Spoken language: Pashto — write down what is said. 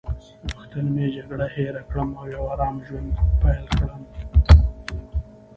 غوښتل مې جګړه هیره کړم او یو آرامه ژوند پیل کړم.